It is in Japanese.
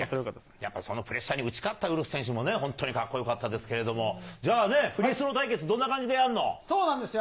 やっぱそのプレッシャーに打ち勝ったウルフ選手も本当にかっこよかったですけれども、じゃあね、フリースロー対決、そうなんですよ。